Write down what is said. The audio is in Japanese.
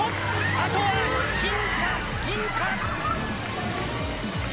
あとは金か銀か。